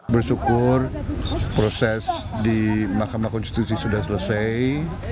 bersyukur proses di mahkamah konstitusi sudah selesai